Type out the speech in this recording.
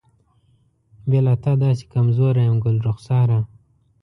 بې له تا داسې کمزوری یم ګلرخساره.